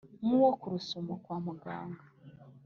nk'uwo ku rusumo kwa mugara